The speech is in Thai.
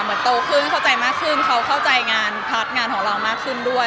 โตขึ้นเข้าใจมากขึ้นเขาเข้าใจงานพาร์ทงานของเรามากขึ้นด้วย